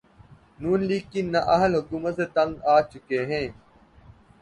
نون league کی نااہل حکومت سے تنگ آچکے ہیں